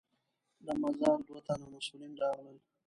د مزار دوه تنه مسوولین راغلل.